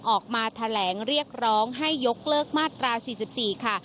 ออกมาแถลงเรียกร้องให้ยกเลิกมาตรา๔๔ค่ะ